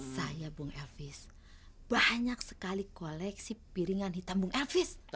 saya bung elvis banyak sekali koleksi piringan hitam bung elvis